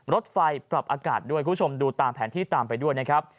รถไฟปรับอากาศด้วยคุณผู้ชมดูตามแผนที่ตามไปด้วยนะครับ